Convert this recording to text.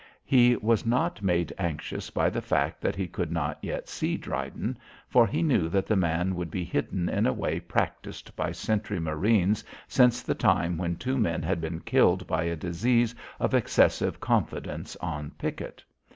He was not made anxious by the fact that he could not yet see Dryden, for he knew that the man would be hidden in a way practised by sentry marines since the time when two men had been killed by a disease of excessive confidence on picket.